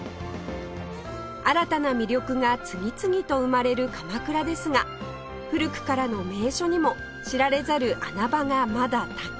新たな魅力が次々と生まれる鎌倉ですが古くからの名所にも知られざる穴場がまだたくさん！